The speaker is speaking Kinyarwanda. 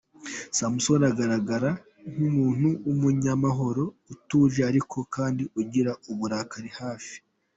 Samson agaragara nk’umuntu w’umunyamahoro, utuje ariko kandi ugira uburakari hafi.